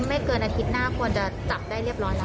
ไม่เกินอาทิตย์หน้าควรจะจับได้เรียบร้อยแล้ว